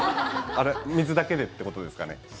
水だけでってことですかね？